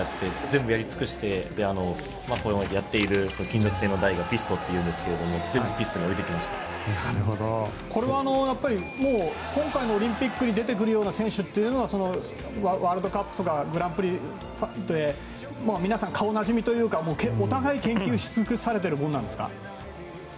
試合をやっているやっている金属製の台がピストというんですけど今回のオリンピックに出てくるような選手というのはワールドカップとかグランプリで皆さん、顔なじみというかお互い研究されつくしてるものなんですか？